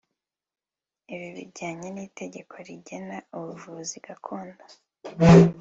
Ibi bijyanye n’itegeko rigenga ubuvuzi gakondo